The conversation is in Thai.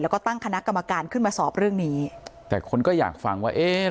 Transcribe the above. แล้วก็ตั้งคณะกรรมการขึ้นมาสอบเรื่องนี้แต่คนก็อยากฟังว่าเอ๊ะ